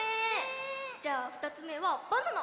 じゃあ２つめはバナナ！